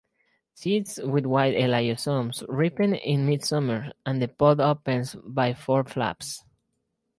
Seeds with white elaiosomes ripen in midsummer and the pod opens by four flaps.